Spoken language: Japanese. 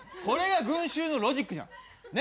これが群集のロジックじゃん。